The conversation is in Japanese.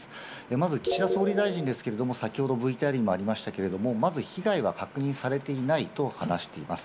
まず岸田総理大臣ですけれども先ほどＶＴＲにもありましたけれども、まず被害は確認されていないと話しています。